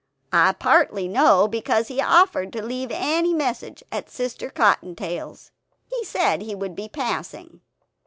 I partly know, because he offered to leave any message at Sister Cottontail's; he said he would be passing."